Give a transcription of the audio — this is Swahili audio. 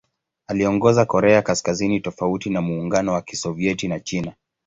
Aliongoza Korea Kaskazini tofauti na Muungano wa Kisovyeti na China.